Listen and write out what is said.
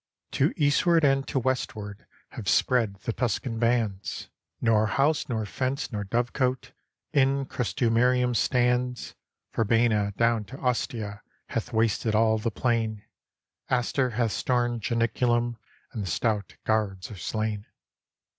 To eastward and to westward Have spread the Tuscan bands; 273 ROME Nor house nor fence nor dovecote In Crustumerium stands. Verbenna down to Ostia Hath wasted all the plain; Astur hath stormed Janiculum, And the stout guards are slain.